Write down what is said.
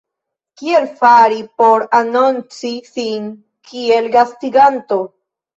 Kiel fari por anonci sin kiel gastiganto?